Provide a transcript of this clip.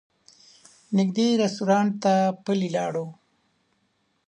نږدې رسټورانټ ته پلي لاړو.